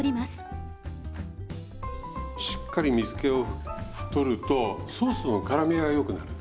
しっかり水けを取るとソースのからみがよくなる。